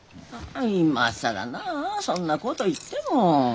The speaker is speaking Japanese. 今更なあそんなこと言っても。